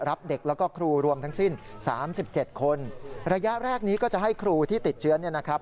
รับเด็กแล้วก็ครูรวมทั้งสิ้นสามสิบเจ็ดคนระยะแรกนี้ก็จะให้ครูที่ติดเชื้อเนี่ยนะครับ